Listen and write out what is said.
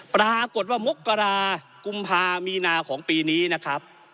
ปรากฏว่ามกรากุมภามีนาของปีนี้นะครับ